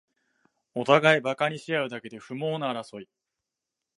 おたがいバカにしあうだけで不毛な争い